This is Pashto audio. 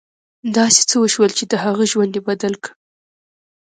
داسې څه وشول چې د هغه ژوند یې بدل کړ